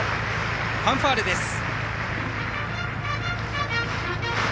ファンファーレです。